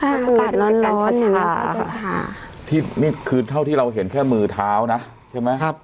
อากาศร้อนกันเช้าที่นี่คือเท่าที่เราเห็นแค่มือเท้านะใช่ไหมครับ